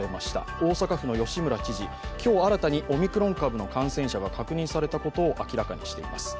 大阪府の吉村知事、今日新たにオミクロン株の感染者が確認されたことを明らかにしています。